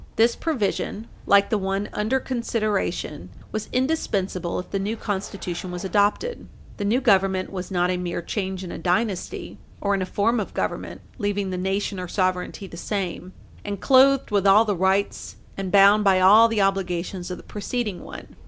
This provision, like the one under consideration, was indispensable if the new Constitution was adopted. The new Government was not a mere change in a dynasty, or in a form of government, leaving the nation or sovereignty the same, and clothed with all the rights, and bound by all the obligations of the preceding one.